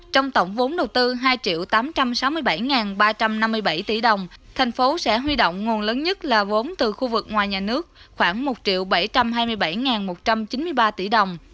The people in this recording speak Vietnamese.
trong tổng vốn đầu tư hai tám trăm sáu mươi bảy ba trăm năm mươi bảy tỷ đồng thành phố sẽ huy động nguồn lớn nhất là vốn từ khu vực ngoài nhà nước khoảng một bảy trăm hai mươi bảy một trăm chín mươi ba tỷ đồng